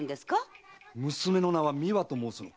娘の名は“美和”と申すのか？